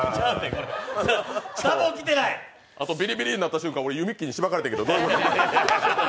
あと、ビリビリきた瞬間、ゆみっきーにしばかれたけど、どういうこと！？